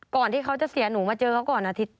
ที่เขาจะเสียหนูมาเจอเขาก่อนอาทิตย์